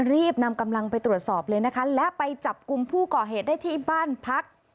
รีบนำกำลังไปตรวจสอบเลยนะคะและไปจับกลุ่มผู้ก่อเหตุได้ที่บ้านพัก